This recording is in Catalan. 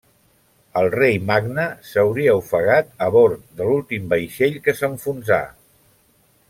El rei Magne s'hauria ofegat a bord de l'últim vaixell que s'enfonsà.